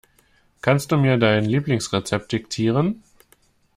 Kannst du mir dein Lieblingsrezept diktieren?